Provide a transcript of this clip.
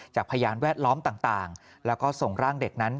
พยานแวดล้อมต่างแล้วก็ส่งร่างเด็กนั้น